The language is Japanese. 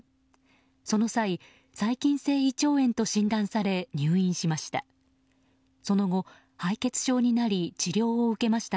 その際、細菌性胃腸炎と診断され入院しました。